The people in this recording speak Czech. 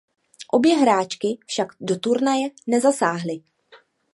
Obě hráčky však do turnaje nezasáhly.